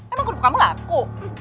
emang kerupuk kamu laku